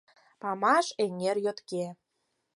— Памаш-Эҥер йотке.